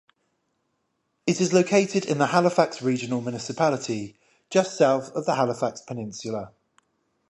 It is located in the Halifax Regional Municipality, just south of the Halifax peninsula.